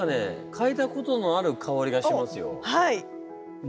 嗅いだことのある香りがしますよ。